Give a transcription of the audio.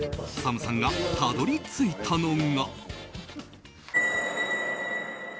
ＳＡＭさんがたどり着いたのが。